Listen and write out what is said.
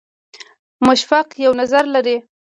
مشفق یو نظر لري.